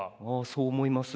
そう思います。